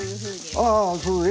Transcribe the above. ああそうね。